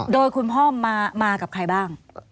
โดยคุณพ่อมากับใครบ้าง